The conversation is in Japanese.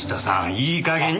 いい加減に！